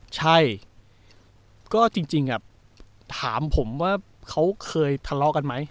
ใช่ก็จริงถามผมว่าเขาเคยทะเลาะกันไหม